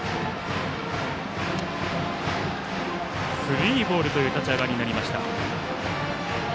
スリーボールという立ち上がりになりました。